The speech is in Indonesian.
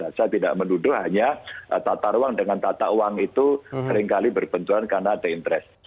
saya tidak menuduh hanya tata ruang dengan tata uang itu seringkali berbencuan karena ada interest